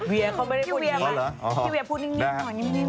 เวียเขาไม่ได้คนนี้พี่เวียพูดนิ่มหน่อยนิ่ม